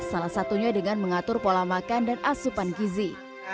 salah satunya dengan mengatur pola makan dan asupan gizi